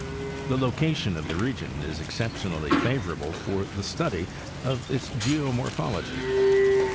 The location of the region is exceptionally favorable for the study of its geomorphology.